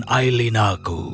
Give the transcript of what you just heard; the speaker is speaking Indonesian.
saya akan meluangkan diri saya